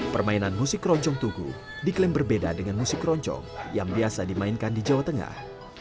permainan musik keroncong tugu diklaim berbeda dengan musik keroncong yang biasa dimainkan di jawa tengah